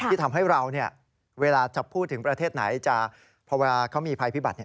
ที่ทำให้เราเนี่ยเวลาจะพูดถึงประเทศไหนจะพอเวลาเขามีภัยพิบัติ